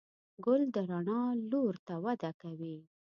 ګل د رڼا لور ته وده کوي.